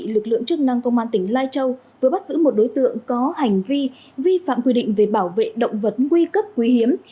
lực lượng chức năng công an tỉnh lai châu vừa bắt giữ một đối tượng có hành vi vi phạm quy định về bảo vệ động vật nguy cấp quý hiếm